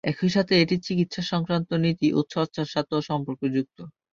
একই সাথে এটি চিকিৎসা সংক্রান্ত নীতি ও চর্চার সাথেও সম্পর্কযুক্ত।